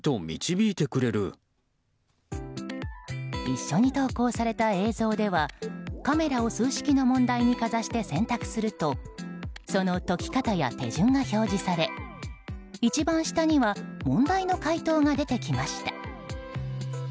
一緒に投稿された映像ではカメラを数式の問題にかざして選択するとその解き方や手順が表示され問題の解答が出てきました。